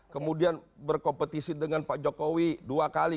kemudian berkompetisi dengan pak jokowi dua kali